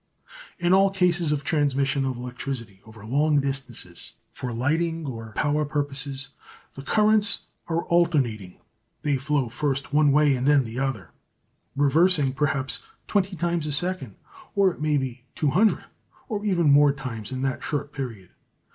In all cases of transmission of electricity over long distances for lighting or power purposes the currents are "alternating." They flow first one way and then the other, reversing perhaps twenty times a second, or it may be two hundred, or even more times in that short period.